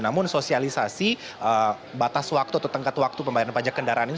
namun sosialisasi batas waktu atau tengkat waktu pembayaran pajak kendaraan ini